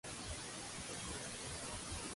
Va guanyar Hèracles a Tiodamant al final?